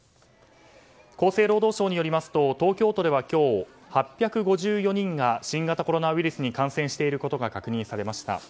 厚生労働省によりますと東京都では今日８５４人が新型コロナウイルスに感染していることが確認されました。